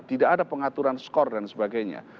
tidak ada pengaturan skor dan sebagainya